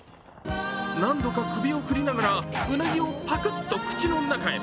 何度か首を振りながらうなぎをパクッと口の中に。